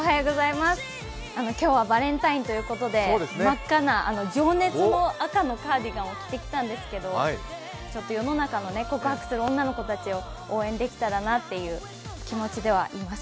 今日はバレンタインということで真っ赤な情熱の赤のカーディガンを着てきたんですけれども、ちょっと世の中の告白する女の子たちを応援できたらなという気持ちではいます。